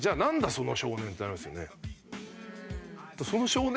その少年？ってなりますよね。